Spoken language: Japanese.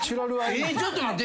ちょっと待って。